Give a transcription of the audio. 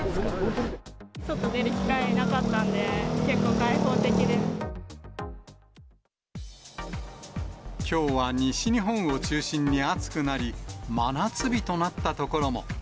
外出る機会なかったんで、きょうは西日本を中心に暑くなり、真夏日となった所も。